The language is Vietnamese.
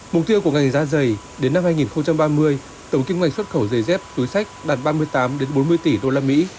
mục tiêu của ngành da giày đến năm hai nghìn ba mươi tổng kinh ngành xuất khẩu giày dép túi sách đạt ba mươi tám bốn mươi tỷ usd